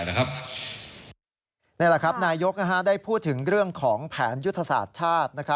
นี่แหละครับนายกได้พูดถึงเรื่องของแผนยุทธศาสตร์ชาติ